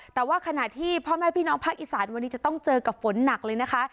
แต่ว่าขณะที่พ่อแม่พี่น้องภาคอีสานวันนี้จะต้องเจอกับฝนหนักเลยนะคะ